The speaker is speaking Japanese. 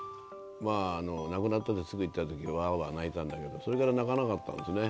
まあ亡くなってすぐ行ったときはわーわー泣いたんだけど、それから泣かなかったんですね。